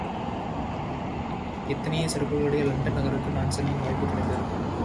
எத்தனையோ சிறப்புக்களுடைய இலண்டன் நகருக்கு, நான் செல்லும் வாய்ப்புக் கிடைத்தது.